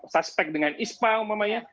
suspek dengan ispa umumnya